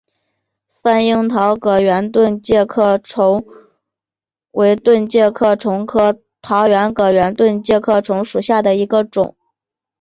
番樱桃葛圆盾介壳虫为盾介壳虫科桃葛圆盾介壳虫属下的一个种。